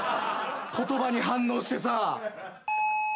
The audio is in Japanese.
言葉に反応してさ。